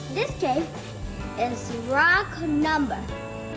ini adalah nomor berat